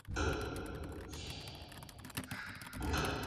Participó en la película "Nosotros los Nobles".